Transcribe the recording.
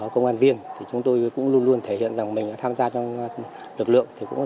công an viên thì chúng tôi cũng luôn luôn thể hiện rằng mình đã tham gia trong lực lượng thì cũng có